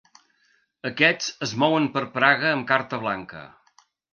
Aquests es mouen per Praga amb carta blanca.